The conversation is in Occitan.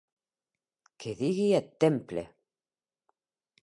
Qué digui eth temple!